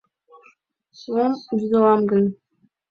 Мом вӱдылам гын?